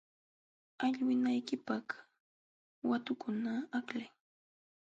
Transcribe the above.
Allwinaykipaq watukunata aklay.